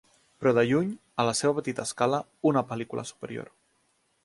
Però de lluny, a la seva petita escala, una pel·lícula superior.